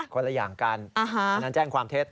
คนละอย่างกันอันนั้นแจ้งความเท็จ